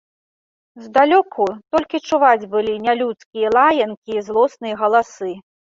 Здалёку толькі чуваць былі нялюдскія лаянкі і злосныя галасы.